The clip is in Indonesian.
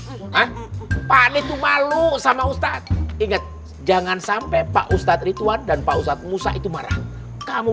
hai itu malu sama ustadz ingat jangan sampai pak ustadz ritwan dan pak ustadz musa itu marah kamu